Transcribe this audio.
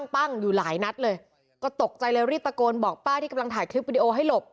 อยู่หลายนัดเลยก็ตกใจเลยรีบตะโกนบอกป้าที่กำลังถ่ายคลิปวิดีโอให้หลบ